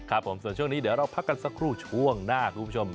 ครับผมส่วนช่วงนี้เดี๋ยวเราพักกันสักครู่ช่วงหน้าคุณผู้ชม